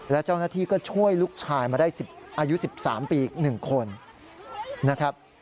และเจ้าหน้าที่ก็ช่วยลูกชายมาได้อายุ๑๓ปีอีก๑คนนะครับ